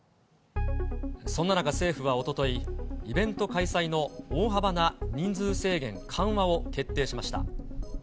そんな中、政府はおととい、イベント開催の大幅な人数制限緩和を決定しました。